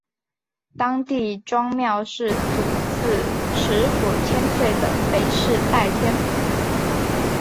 当地庄庙是主祀池府千岁的北势代天府。